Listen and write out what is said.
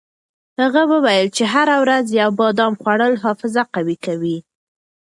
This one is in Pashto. هغه وویل چې هره ورځ یو بادام خوړل حافظه قوي کوي.